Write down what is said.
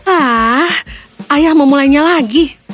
ah ayah memulainya lagi